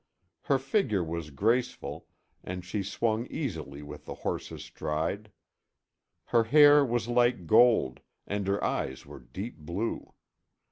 Her figure was graceful and she swung easily with the horse's stride. Her hair was like gold and her eyes were deep blue.